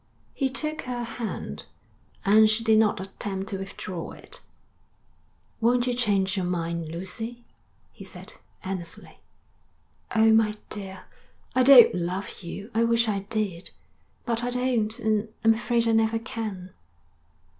He took her hand, and she did not attempt to withdraw it. 'Won't you change your mind, Lucy?' he said earnestly. 'Oh, my dear, I don't love you. I wish I did. But I don't and I'm afraid I never can.'